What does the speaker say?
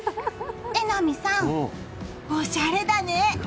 榎並さん、おしゃれだね。